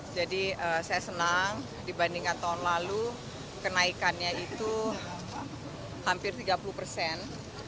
jadi saya senang dibandingkan tahun lalu kenaikannya itu hampir tiga puluh persen